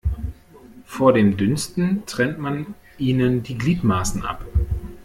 Vor dem Dünsten trennt man ihnen die Gliedmaßen ab.